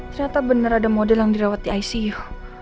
ternyata benar ada model yang dirawat di icu